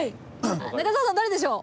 中澤さん誰でしょう？